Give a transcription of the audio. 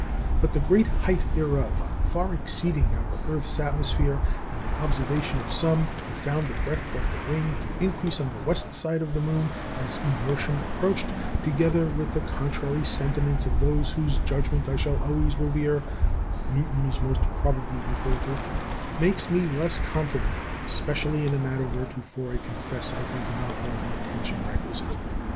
But the great height thereof, far exceeding our earth's atmosphere, and the observation of some, who found the breadth of the ring to increase on the west side of the moon as emersion approached, together with the contrary sentiments of those whose judgment I shall always revere" (Newton is most probably referred to), "makes me less confident, especially in a matter whereto I confess I gave not all the attention requisite."